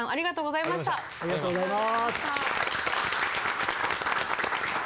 ありがとうございます！